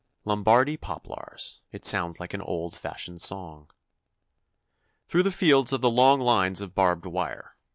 Lombardy poplars! It sounds like an old fashioned song. Through the fields are the long lines of barbed wire.